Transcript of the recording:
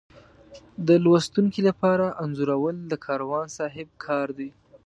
د لوستونکي لپاره انځورول د کاروان صاحب کار دی.